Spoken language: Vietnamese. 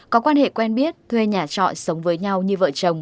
có quan hệ quen biết thuê nhà trọ sống với nhau như vợ chồng